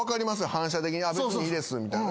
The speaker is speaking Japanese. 反射的に別にいいですみたいな。